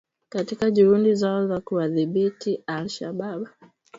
katika juhudi zao za kuwadhibiti al Shabaab